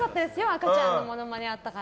赤ちゃんのものまねしましたから。